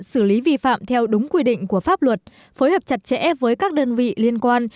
xử lý vi phạm theo đúng quy định của pháp luật phối hợp chặt chẽ với các đơn vị liên quan